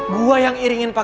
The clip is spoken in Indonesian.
gua yang iringin